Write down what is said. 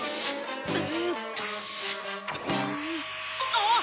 あっ！